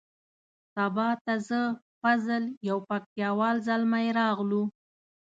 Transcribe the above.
سبا ته زه فضل یو پکتیا وال زلمی راغلو.